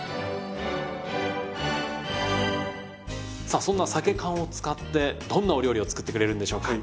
さあそんなさけ缶を使ってどんなお料理を作ってくれるんでしょうか。